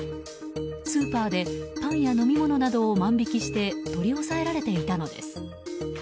スーパーでパンや飲み物などを万引きして取り押さえられていたのです。